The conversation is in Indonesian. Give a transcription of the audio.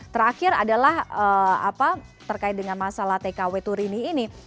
terakhir adalah terkait dengan masalah tkw turini ini